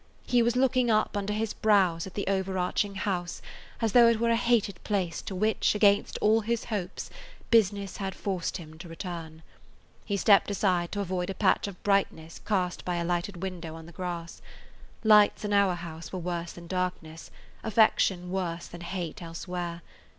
He was looking up under his brows at the over arching house as though it were a hated place to which, against all his hopes, business had forced him to return. He [Page 184] stepped aside to avoid a patch of brightness cast by a lighted window on the grass; lights in our house were worse than darkness, affection worse than hate elsewhere.